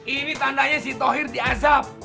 ini tandanya si tohir diazap